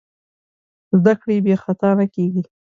زدهکړه بېخطا نه کېږي.